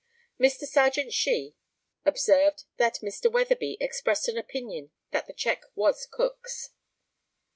Mr. Serjeant SHEE observed that Mr. Weatherby expressed an opinion that the cheque was Cook's.